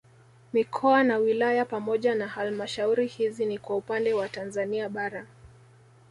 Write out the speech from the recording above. Mikoa na wilaya pamoja na halmashauri hizi ni kwa upande wa Tanzania bara